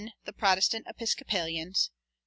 The Protestant Episcopalians; 2.